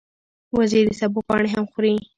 وزې د سبو پاڼې هم خوري